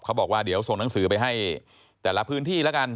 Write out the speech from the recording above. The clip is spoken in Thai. บอกว่าเดี๋ยวส่งหนังสือไปให้แต่ละพื้นที่แล้วกัน